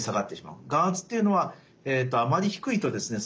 眼圧っていうのはあまり低いとですね